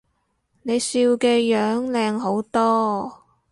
你笑嘅樣靚好多